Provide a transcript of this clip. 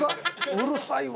うるさいわ。